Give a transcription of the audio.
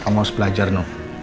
kamu harus belajar noh